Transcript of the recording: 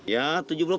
ya tujuh puluh persenan